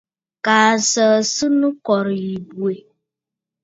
Kaa nsəə sɨ nɨ kɔ̀rə̀ yì bwɛ.